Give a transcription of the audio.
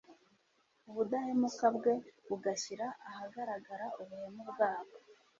ubudahemuka bwe bugashyira ahagaragara ubuhemu bwabo.